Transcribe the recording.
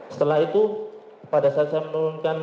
setelah itu pada saat saya menurunkan